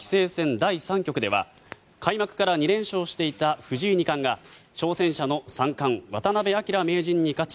第三局では開幕から２連勝していた藤井二冠が挑戦者の三冠・渡辺明名人に勝ち